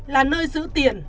là nơi giữ tiền